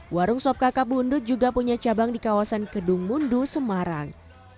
warung sob kakak bu undut juga punya cabang di kawasan kedung mundu semarang